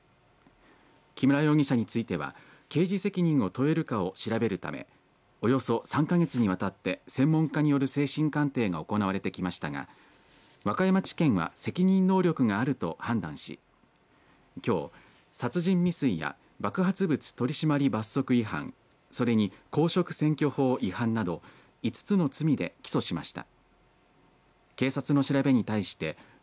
木村容疑者については刑事責任を問えるかを調べるためおよそ３か月にわたって専門家による精神鑑定が行われてきましたが和歌山地検は責任能力があると判断しきょう殺人未遂や爆発物取締罰則違反それに公職選挙法違反など５つの罪で起訴しました。